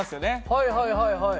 はいはいはいはい。